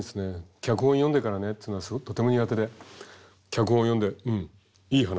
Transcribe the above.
「脚本読んでからね」っていうのはとても苦手で脚本を読んで「うんいい話だ。やる」。